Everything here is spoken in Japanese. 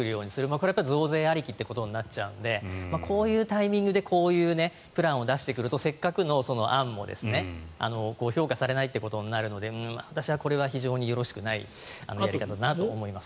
これは増税ありきってことになっちゃうのでこういうタイミングでこういうプランを出してくるとせっかくの案も評価されないということになるので私はこれは非常によろしくないやり方だなと思います。